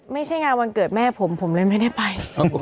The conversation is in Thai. ไม่ใช่งานวันเกิดแม่ผมผมเลยไม่ได้ไป